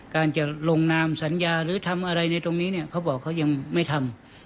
การจะลงนามสัญญาหรือทำอะไรในตรงนี้เนี่ยเขาบอกเขายังไม่ทำ